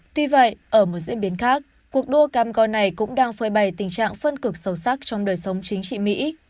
tuy vậy ở một diễn biến khác cuộc đua cam goi này cũng đang phơi bày tình trạng phân cực sâu sắc trong đời sống chính trị mỹ